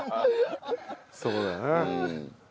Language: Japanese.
そうだな。